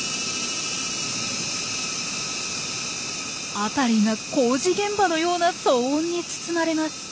辺りが工事現場のような騒音に包まれます。